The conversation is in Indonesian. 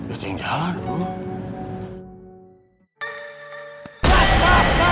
itu yang jalan tuh